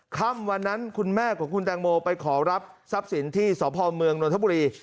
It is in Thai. ค่ำวันนั้นคุณแม่ของคุณแตงโมไปขอรับทรัพย์สินที่สพเมืองนทบุรี